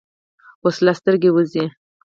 وسله سترګې وځي